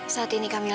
saat ini kak mila